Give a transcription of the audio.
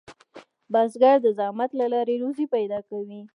بزګر د زحمت له لارې روزي پیدا کوي